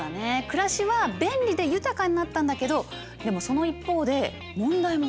暮らしは便利で豊かになったんだけどでもその一方で問題も起きたの。